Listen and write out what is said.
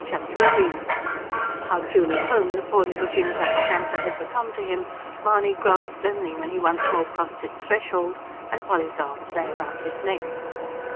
Chapter III How truly "home" the poor little gimcrack shanty had become to him, Mahony grasped only when he once more crossed its threshold and Polly's arms lay round his neck.